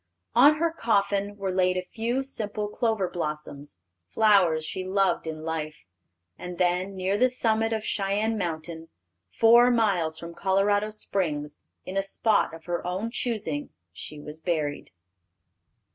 On her coffin were laid a few simple clover blossoms, flowers she loved in life; and then, near the summit of Cheyenne Mountain, four miles from Colorado Springs, in a spot of her own choosing, she was buried.